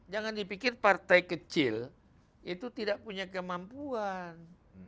jangan dipikir partai kecil itu tidak punya kemampuan